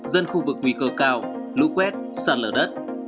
bảy mươi bảy trăm bảy mươi dân khu vực nguy cơ cao lũ quét săn lở đất